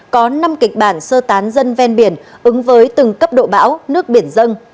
tỉnh nghệ an có năm kịch bản sơ tán dân ven biển ứng với từng cấp độ bão nước biển dâng